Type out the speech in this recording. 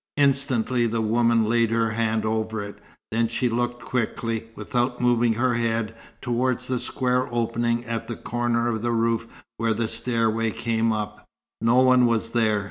Instantly the woman laid her hand over it. Then she looked quickly, without moving her head, towards the square opening at a corner of the roof where the stairway came up. No one was there.